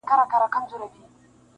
يو نغمه ګره نقاسي کومه ښه کوومه-